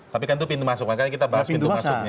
tapi kan itu pintu masuk makanya kita bahas pintu masuknya